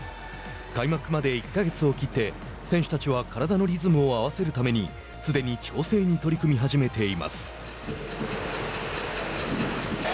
開幕まで１か月を切って選手たちは体のリズムを合わせるためにすでに調整に取り組み始めています。